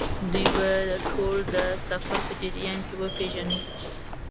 دوی به ټول د سفر په جریان کې وپېژنئ.